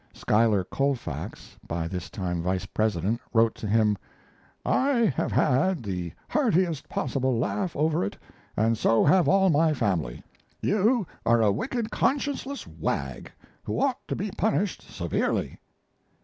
Schuyler Colfax, by this time Vice President, wrote to him: "I have had the heartiest possible laugh over it, and so have all my family. You are a wicked, conscienceless wag, who ought to be punished severely."